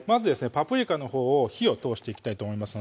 パプリカのほうを火を通していきたいと思います